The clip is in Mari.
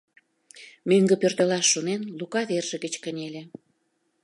Мӧҥгӧ пӧртылаш шонен, Лука верже гыч кынеле.